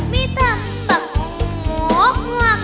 ไม่ท่ามหัวหัวเฮ่ยหลัง